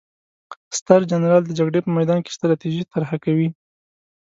ستر جنرال د جګړې په میدان کې ستراتیژي طرحه کوي.